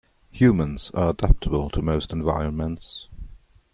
Humans are adaptable to most environments.